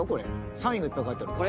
サインがいっぱい書いてあるけど。